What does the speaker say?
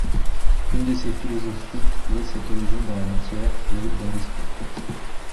Une de ces philosophies trouvait cette origine dans la matière et l'autre dans l'esprit.